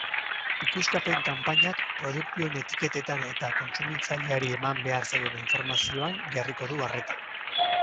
Ikuskapen-kanpainak produktuen etiketetan eta kontsumitzaileari eman behar zaion informazioan jarriko du arreta.